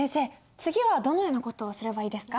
次はどのような事をすればいいですか？